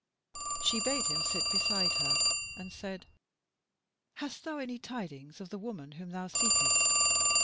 She bade him sit beside her, and said: "Hast thou any tidings of the woman whom thou seekest?"